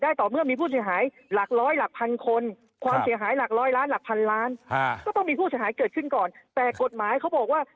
แต่กฅหมายเขาบอกว่า